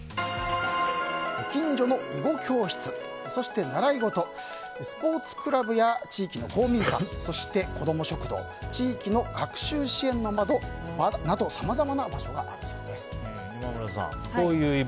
近所の囲碁教室そして習い事スポーツクラブや地域の公民館そして、こども食堂地域の学習支援の場など今村さん